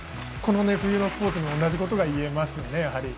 この冬のスポーツでも同じことが言えますよね。